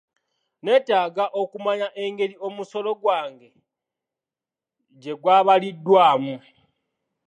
Nneetaaga okumanya engeri omusolo gwange gye gwabaliddwamu.